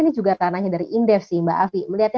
ini juga tanahnya dari indef mbak afi